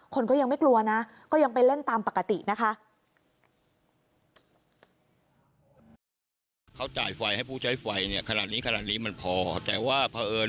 คนก็ยังไม่กลัวนะก็ยังไปเล่นตามปกตินะคะ